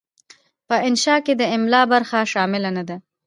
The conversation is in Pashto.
په انشأ کې د املاء برخه شامله نه ده.